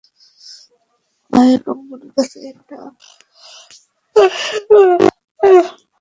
তুমি এই কোম্পানির কাছে একটা স্তম্ভের মতো।